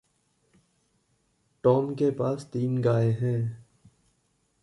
Tom के पास तीन गायें हैं।